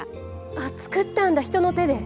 あっつくったんだ人の手で！